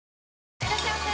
いらっしゃいませ！